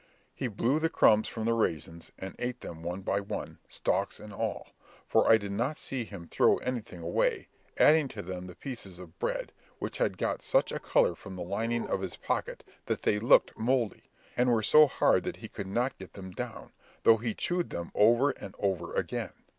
He blew the crumbs from the raisins, and ate them one by one, stalks and all, for I did not see him throw anything away, adding to them the pieces of bread, which had got such a colour from the lining of his pocket, that they looked mouldy, and were so hard that he could not get them down, though he chewed them over and over again.